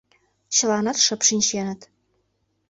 Чыланат шып шинченыт.